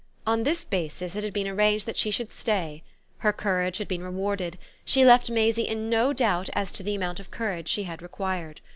On this basis it had been arranged that she should stay; her courage had been rewarded; she left Maisie in no doubt as to the amount of courage she had required.